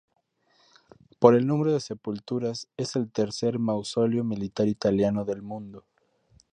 Por el número de sepulturas es el tercer mausoleo militar italiano del mundo.